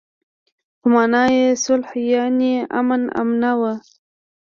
خو مانا يې صلح يانې امن آمنه وه.